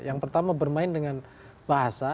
yang pertama bermain dengan bahasa